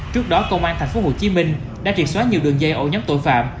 trước đó công an tp hcm đã triệt xóa nhiều đường dây ổ nhóm tội phạm